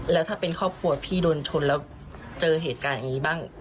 แล้วถ้าเป็นครอบครัวพี่โดนชนแล้วเจอเหตุการณ์อย่างนี้บ้าง